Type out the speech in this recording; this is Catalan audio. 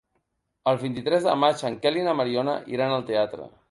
El vint-i-tres de maig en Quel i na Mariona iran al teatre.